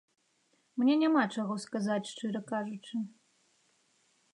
Мне няма чаго сказаць, шчыра кажучы.